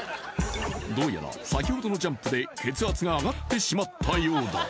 どうやら先ほどのジャンプで血圧が上がってしまったようだ